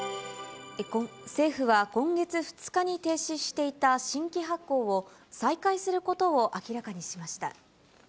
政府は今月２日に停止していた新規発行を、再開することを明らかにしました。